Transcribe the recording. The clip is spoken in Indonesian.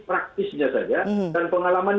praktisnya saja dan pengalaman